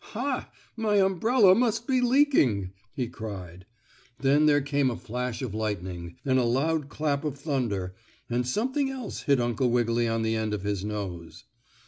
"Ha! My umbrella must be leaking!" he cried. Then there came a flash of lightning, and a loud clap of thunder, and something else hit Uncle Wiggily on the end of his nose.